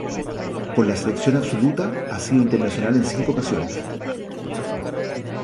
Con la selección absoluta ha sido internacional en cinco ocasiones.